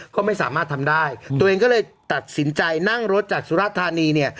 ก็ไม่สามารถทำได้ตัวเองก็เลยตัดสินใจนั่งรถจากสุรธานีเนี่ย